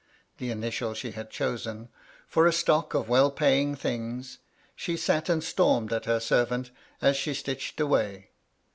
(the initial she had chosen) for a stock of well paying things, she sat and stormed at her servant as she stitched away.